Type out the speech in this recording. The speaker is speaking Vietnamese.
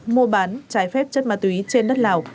mua bán trái phép chất ma túy trên đất lào